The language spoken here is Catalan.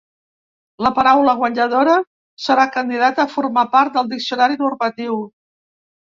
La paraula guanyadora serà candidata a formar part del diccionari normatiu.